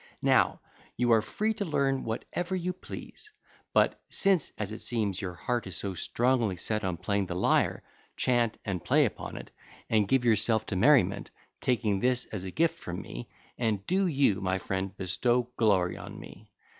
Now, you are free to learn whatever you please; but since, as it seems, your heart is so strongly set on playing the lyre, chant, and play upon it, and give yourself to merriment, taking this as a gift from me, and do you, my friend, bestow glory on me.